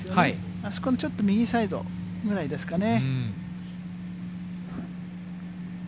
あそこのちょっと右サイドぐらいですかね。